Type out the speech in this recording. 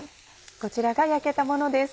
こちらが焼けたものです。